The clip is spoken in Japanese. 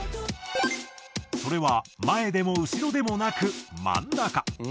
それは前でも後ろでもなく真ん中。